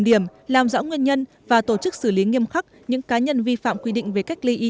điểm làm rõ nguyên nhân và tổ chức xử lý nghiêm khắc những cá nhân vi phạm quy định về cách ly y